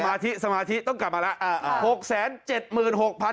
สมาธิต้องกลับมาแล้ว